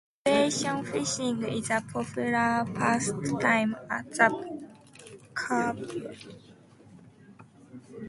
Recreational fishing is a popular pastime at the cove.